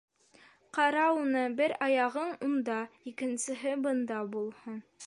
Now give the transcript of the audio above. Ҡара уны, бер аяғың унда, икенсеһе бында булһын!